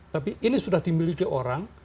tapi ini sudah dimiliki orang